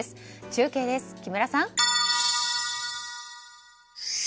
中継です、木村さん。